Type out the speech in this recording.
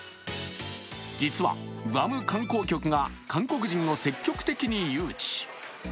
実は、グアム観光局が韓国人を積極的に誘致。